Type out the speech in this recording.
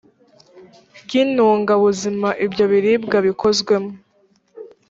ry intungabuzima ibyo biribwa bikozwemo